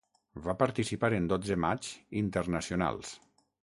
Va participar en dotze matxs internacionals.